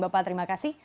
bapak terima kasih